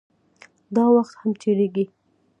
داوخت هم تېريږي